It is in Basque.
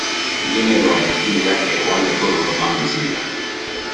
Generoaren kideak hegoaldeko Europan bizi dira.